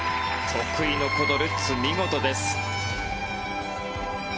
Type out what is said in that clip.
得意のルッツ見事です。